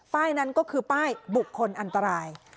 นั้นก็คือป้ายบุคคลอันตราย